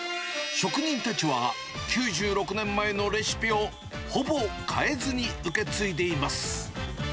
職人たちは、９６年前のレシピをほぼ変えずに受け継いでいます。